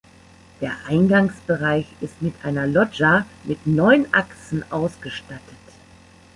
Der Eingangsbereich ist mit einer Loggia mit neun Achsen ausgestattet.